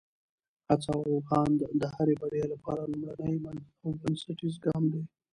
هڅه او هاند د هرې بریا لپاره لومړنی او بنسټیز ګام دی.